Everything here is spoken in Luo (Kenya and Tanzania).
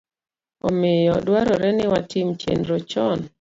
Omiyo, dwarore ni watim chenro chon